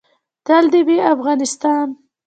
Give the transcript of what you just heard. تل دې وي افغانستان؟